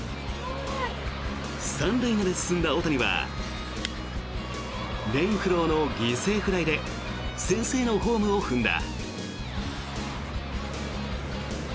３塁まで進んだ大谷はレンフローの犠牲フライで先制のホームを踏んだ。